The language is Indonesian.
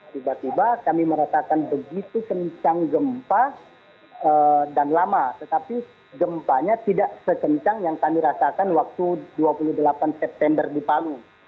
tiba tiba kami merasakan begitu kencang gempa dan lama tetapi gempanya tidak sekencang yang kami rasakan waktu dua puluh delapan september di palu